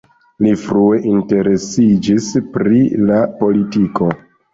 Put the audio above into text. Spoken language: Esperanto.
Li frue interesiĝis pri la politiko.